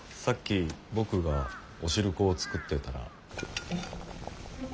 さっき僕がおしるこを作ってたら。